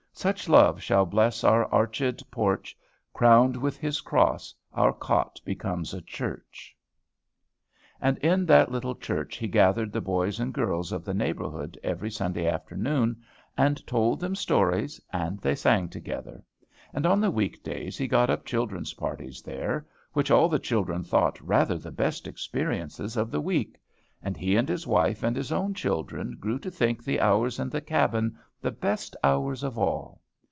Such love shall bless our archèd porch; Crowned with his cross, our cot becomes a church." And in that little church he gathered the boys and girls of the neighborhood every Sunday afternoon, and told them stories and they sang together. And on the week days he got up children's parties there, which all the children thought rather the best experiences of the week, and he and his wife and his own children grew to think the hours in the cabin the best hours of all.